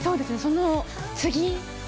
その次。